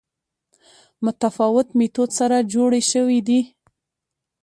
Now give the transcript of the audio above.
متفاوت میتود سره جوړې شوې دي